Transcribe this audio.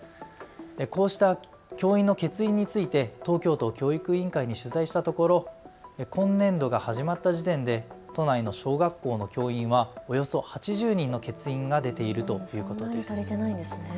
こうした教員の欠員について東京都教育委員会に取材したところ今年度が始まった時点で都内の小学校の教員はおよそ８０人の欠員が出ているということです。